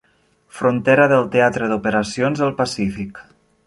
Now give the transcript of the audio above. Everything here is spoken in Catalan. Frontera del Teatre d'Operacions del Pacífic.